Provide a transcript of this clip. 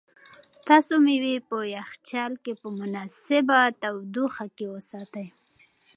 تاسو مېوې په یخچال کې په مناسبه تودوخه کې وساتئ.